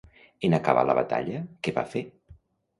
En acabar la batalla, què va fer?